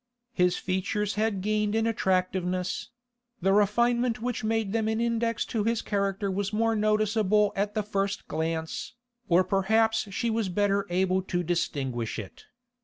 His features had gained in attractiveness; the refinement which made them an index to his character was more noticeable at the first glance, or perhaps she was better able to distinguish it.